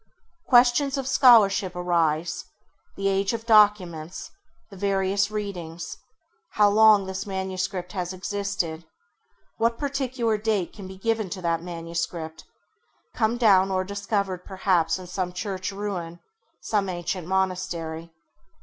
Questions of scholarship arise, the age of documents, the various readings, how long this manuscript has existed, what particular date can be given to that manuscript, come down or discovered perhaps in some church ruin, some ancient monastery.